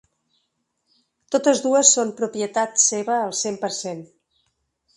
Totes dues són propietat seva al cent per cent.